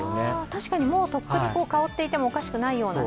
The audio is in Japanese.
確かに、もうとっくに香っていてもおかしくないようなね。